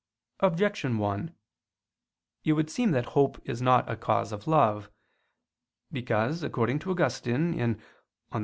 Objection 1: It would seem that hope is not a cause of love. Because, according to Augustine (De Civ.